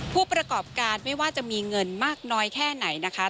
ผู้ประกอบการไม่ว่าจะมีเงินมากน้อยแค่ไหนนะคะ